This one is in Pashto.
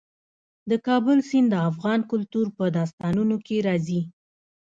د کابل سیند د افغان کلتور په داستانونو کې راځي.